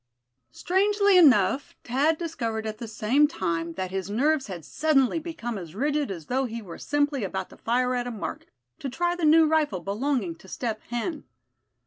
Strangely enough, Thad discovered at the same time that his nerves had suddenly become as rigid as though he were simply about to fire at a mark, to try the new rifle belonging to Step Hen.